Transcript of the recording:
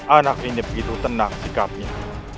anak ini begitu tenang sikapnya